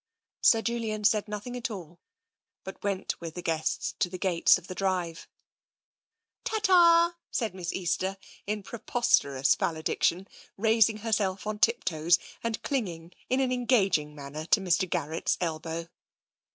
Sir Julian said nothing at all, but went with the guests to the gates of the drive. " Ta ta !" said Miss Easter in preposterous valedic tion, raising herself on tiptoes, and clinging in an en gaging manner to Mr. Garrett's elbow.